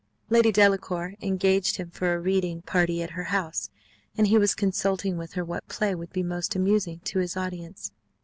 Lady Delacour engaged him for a reading party at her house, and he was consulting with her what play would be most amusing to his audience.